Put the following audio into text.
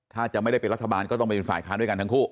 ถ้าจะไม่ได้เป็นรัฐบาลก็ต้องไปเป็นฝ่ายค้านด้วยกันทั้งคู่